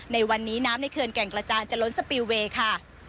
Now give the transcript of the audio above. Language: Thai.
ในวันนี้น้ำในเขื่อนแก่งกระจานจะล้นสปิลเวย์ค่ะ